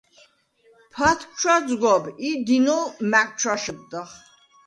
ფათქ ჩვაძგვაბ ი დინოლ მა̈გ ჩვაშჷდდახ.